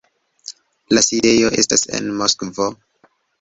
La sidejo estas en Moskvo.